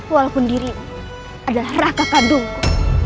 walaupun dirimu adalah raka kandungku